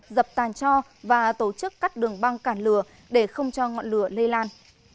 dập tàn cho và tổ chức cắt đường băng cản lửa để không cho ngọn lửa lây lan